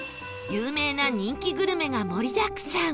有名な人気グルメが盛りだくさん